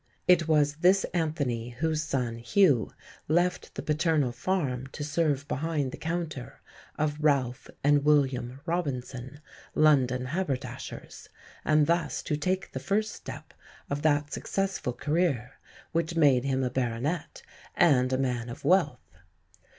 It was this Anthony whose son, Hugh, left the paternal farm to serve behind the counter of Ralph and William Robinson, London haberdashers, and thus to take the first step of that successful career which made him a Baronet and a man of wealth.